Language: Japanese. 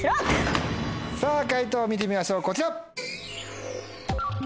さぁ解答見てみましょうこちら！